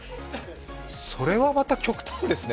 それはまた極端ですね。